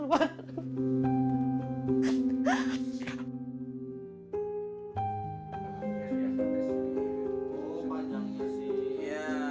enggak dari sini